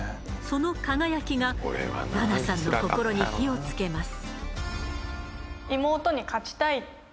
その輝きが菜那さんの心に火を付けます。